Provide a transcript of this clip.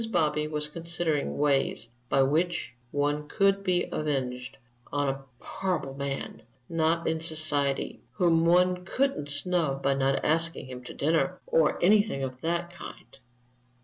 Bobby was considering ways by which one could be avenged on "a horrible man, not in society, whom one couldn't snub by not asking him to dinner, or anything of that kind."